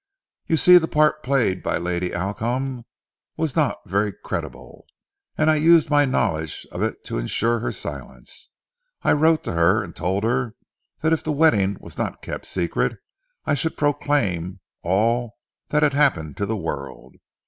"You see the part played by Lady Alcombe was not very credible, and I used my knowledge of it to ensure her silence. I wrote to her and told her that if the wedding was not kept secret, I should proclaim all that had happened to the world.